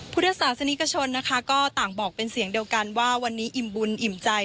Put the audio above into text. พุทธศาสนิกชนนะคะก็ต่างบอกเป็นเสียงเดียวกันว่าวันนี้อิ่มบุญอิ่มใจ